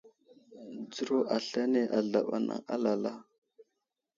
Dzəro aslane azlaɓ anaŋ alala.